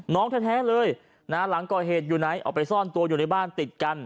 แท้เลยนะฮะหลังก่อเหตุอยู่ไหนออกไปซ่อนตัวอยู่ในบ้านติดกัน